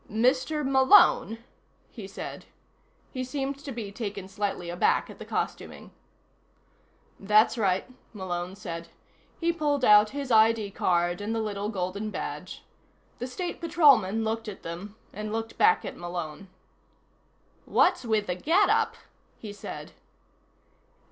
"Mr. Malone?" he said. He seemed to be taken slightly aback at the costuming. "That's right," Malone said. He pulled out his ID card and the little golden badge. The State Patrolman looked at them, and looked back at Malone. "What's with the getup?" he said.